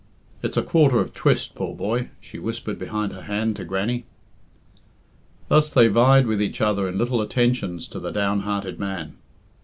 It's a quarter of twist, poor boy," she whispered behind her hand to Grannie. Thus they vied with each other in little attentions to the down hearted man.